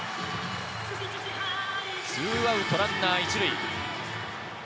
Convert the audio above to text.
２アウト、ランナー１塁。